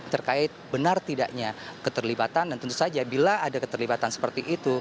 terkait benar tidaknya keterlibatan dan tentu saja bila ada keterlibatan seperti itu